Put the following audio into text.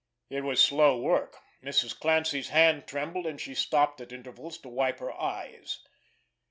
It was slow work. Mrs. Clancy's hand trembled, and she stopped at intervals to wipe her eyes.